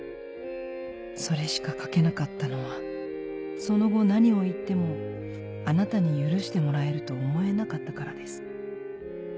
「それしか書けなかったのはその後何を言ってもあなたに許してもらえると思えなかったからです。